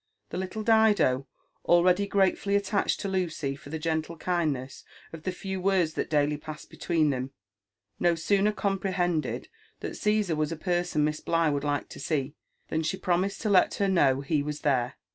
The little Dido, already gratefully attached to Lucy for the gentle kindness of the few words that daily passed between them, no sooner comprehended that Cssar was a person Miss Bligh would like to see, than she promised to let hat'kn^w he was there.